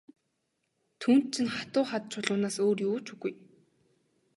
Түүнд чинь хатуу хад чулуунаас өөр юу ч үгүй.